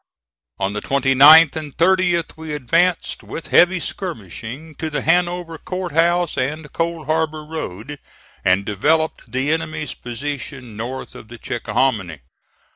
On the 29th and 30th we advanced, with heavy skirmishing, to the Hanover Court House and Cold Harbor Road, and developed the enemy's position north of the Chickahominy.